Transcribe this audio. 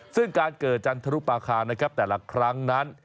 ซึ่งการเกิดจันทรุปาคานะครับแต่ละครั้งนั้น